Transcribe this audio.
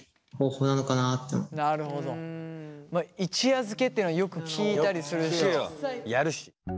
一夜漬けっていうのはよく聞いたりするし。